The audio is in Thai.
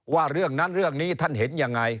ว่าเรื่องนั้นเรื่องนี้ท่านเห็นยังไง